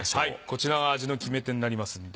こちらは味の決め手になりますので。